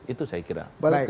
itu saya kira